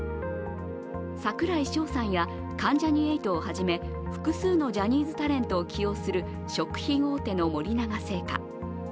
櫻井翔さんや関ジャニ∞をはじめ複数のジャニーズタレントを起用する食品大手の森永製菓。